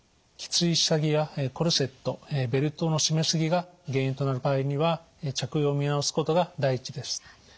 きつい下着やコルセットベルトの締めすぎが原因となる場合には着用を見合わすことが第一です。